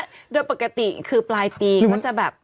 เพราะว่าโดยปกติคือปลายปีก็จะแบบ